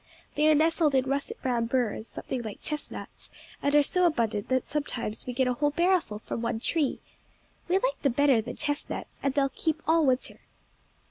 They are nestled in russet brown burrs, something like chestnuts, and are so abundant that sometimes we get a whole barrelful from one tree. We like them better than chestnuts, and they keep all winter.